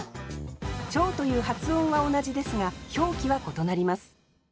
「ちょう」という発音は同じですが表記は異なります。